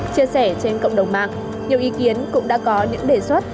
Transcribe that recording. chia sẻ trên cộng đồng mạng nhiều ý kiến cũng đã có những đề xuất